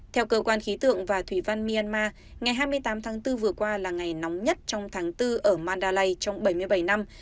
theo cơ quan khí tượng và thủy văn myanmar ngày hai mươi tám tháng bốn vừa qua là ngày nóng nhất trong tháng bốn ở mandalay trong bảy mươi bảy năm